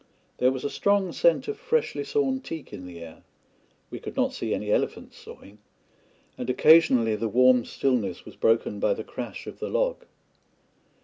There was a strong scent of freshly sawn teak in the air we could not see any elephants sawing and occasionally the warm stillness was broken by the crash of the log.